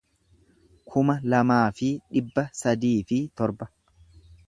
kuma lamaa fi dhibba sadii fi torba